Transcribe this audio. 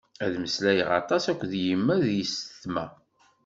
Ad mmeslayeɣ aṭas akked yemma d yessetma.